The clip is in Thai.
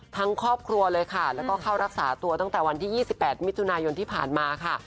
ครอบครัวเลยค่ะแล้วก็เข้ารักษาตัวตั้งแต่วันที่๒๘มิถุนายนที่ผ่านมาค่ะ